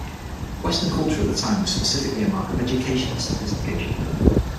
Western culture at the time was specifically a mark of education and sophistication.